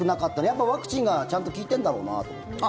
やっぱりワクチンがちゃんと効いてるんだろうなと思って。